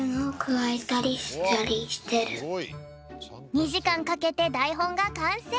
２じかんかけてだいほんがかんせい。